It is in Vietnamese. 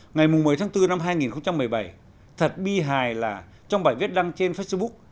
ngày một mươi tháng bốn năm hai nghìn một mươi bảy thật bi hài là trong bài viết đăng trên facebook